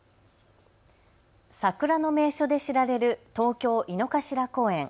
桜の名所で知られる東京、井の頭公園。